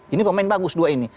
ini pemain bagus dua ini